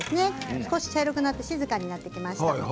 ちょっと茶色くなって静かになってきましたね。